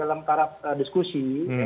dalam taraf diskusi